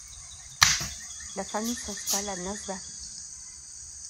La famille s'installe à Nasvari.